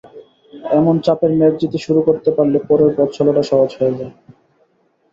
এমন চাপের ম্যাচ জিতে শুরু করতে পারলে পরের পথচলাটা সহজ হয়ে যায়।